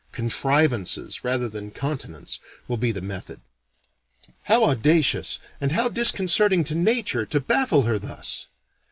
Contrivances, rather than continence, will be the method. How audacious, and how disconcerting to Nature, to baffle her thus!